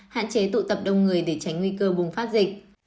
hạn chế tụ tập đông người để tránh nguy cơ bùng phát dịch